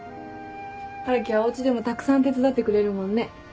春樹はおうちでもたくさん手伝ってくれるもんね。